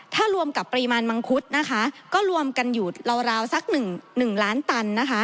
ถ้ารวมกับปริมาณมังพุธก็รวมกันอยู่ราวสัก๑ล้านตัน